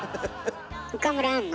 岡村あんの？